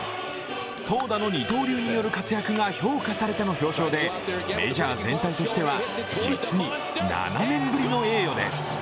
投打の二刀流による活躍が評価されての表彰で、メジャー全体としては、実に７年ぶりの栄誉です。